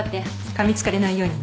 かみつかれないようにね。